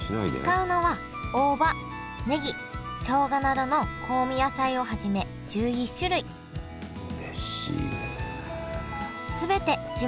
使うのは大葉ねぎしょうがなどの香味野菜をはじめ１１種類うれしいね。